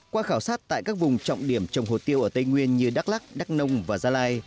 qua khảo sát tại các vùng trọng điểm trồng hồ tiêu ở tây nguyên như đắk lắc đắk nông và gia lai